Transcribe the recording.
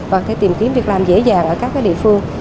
và tìm kiếm việc làm dễ dàng ở các địa phương